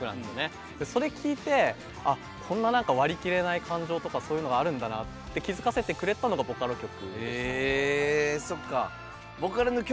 でそれ聴いてこんな割り切れない感情とかそういうのがあるんだなって気付かせてくれたのがボカロ曲でしたね。